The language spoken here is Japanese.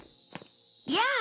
やあ。